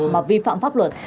mà vi phạm pháp luật